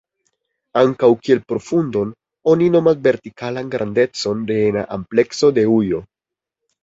Ankaŭ kiel profundon oni nomas vertikalan grandecon de ena amplekso de ujo.